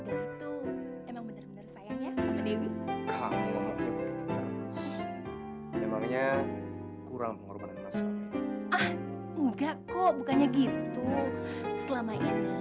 kan tangan anak gue jadi cacat dari mulus mulus jadi cacat kayak begini ada jahitan hai sayang